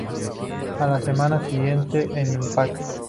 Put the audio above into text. A la semana siguiente en 'impact!